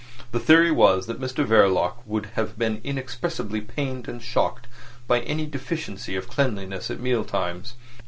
The theory was that Mr Verloc would have been inexpressibly pained and shocked by any deficiency of cleanliness at meal times.